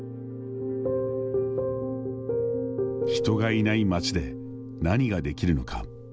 人がいない町で、何ができるのか。